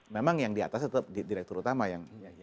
memang yang di atas tetap direktur utama yang